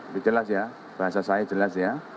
ini jelas ya bahasa saya jelas ya